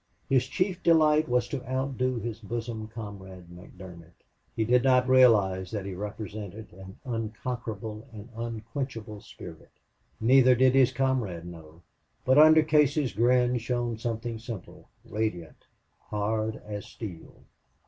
His chief delight was to outdo his bosom comrade, McDermott. He did not realize that he represented an unconquerable and unquenchable spirit. Neither did his comrade know. But under Casey's grin shone something simple, radiant, hard as steel.